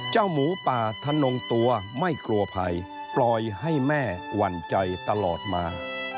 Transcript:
หมูป่าทะนงตัวไม่กลัวภัยปล่อยให้แม่หวั่นใจตลอดมา